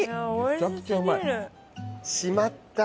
めちゃくちゃうまい。